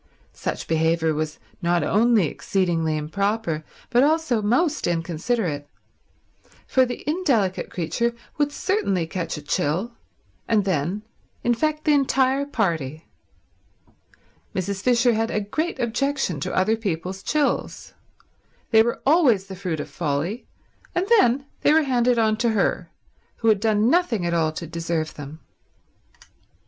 Such behaviour was not only exceedingly improper but also most inconsiderate, for the indelicate creature would certainly catch a chill, and then infect the entire party. Mrs. Fisher had a great objection to other people's chills. They were always the fruit of folly; and then they were handed on to her, who had done nothing at all to deserve them.